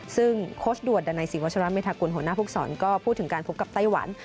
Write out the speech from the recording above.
ซึ่งโค้ชด่วนดันัยศรีวัชราเมธากุลหัวหน้าภูกษรก็พูดถึงการพบกับไต้หวัน